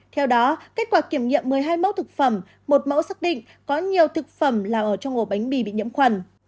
theo đó kết quả kiểm nghiệm một mươi hai mẫu thực phẩm một mẫu xác định có nhiều thực phẩm là ở trong hồ bánh mì bị nhiễm khuẩn